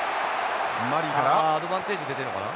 ああアドバンテージ出てるのかな？